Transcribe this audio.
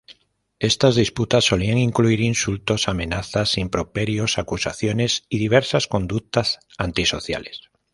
Estas disputas solían incluir insultos, amenazas, improperios, acusaciones y diversas conductas antisociales.